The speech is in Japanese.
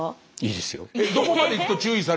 いいですよ。